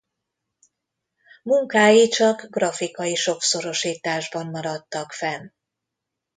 Munkái csak grafikai sokszorosításban maradtak fenn.